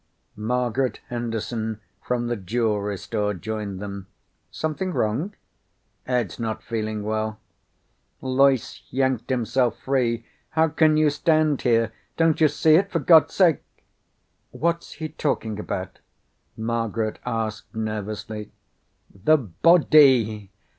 Margaret Henderson from the jewelry store joined them. "Something wrong?" "Ed's not feeling well." Loyce yanked himself free. "How can you stand here? Don't you see it? For God's sake " "What's he talking about?" Margaret asked nervously. "The body!"